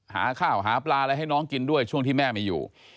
หาข้าวหาปลาอะไรให้น้องกินด้วยช่วงที่แม่ไม่อยู่